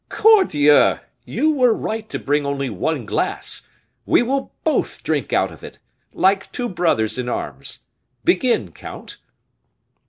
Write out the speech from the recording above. "Cordieu! you were right to bring only one glass, we will both drink out of it, like two brothers in arms. Begin, count."